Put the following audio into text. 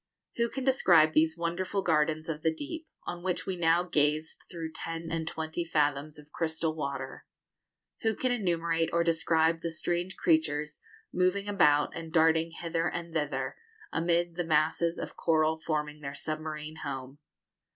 Who can describe these wonderful gardens of the deep, on which we now gazed through ten and twenty fathoms of crystal water? Who can enumerate or describe the strange creatures moving about and darting hither and thither, amid the masses of coral forming their submarine home?